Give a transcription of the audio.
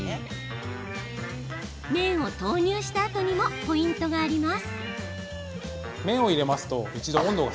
麺を投入したあとにもポイントがあります。